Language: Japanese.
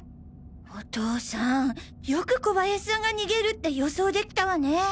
お父さんよく小林さんが逃げるって予想できたわね。